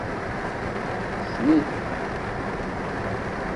Tessen-it.